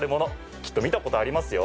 きっと見たことありますよ。